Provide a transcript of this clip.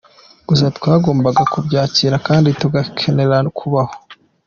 Gusa twagombaga kubyakira kandi tugakenera kubaho.